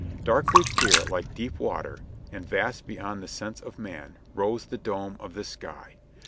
Darkly clear, like deep water, and vast beyond the sense of man, rose the dome of the sky.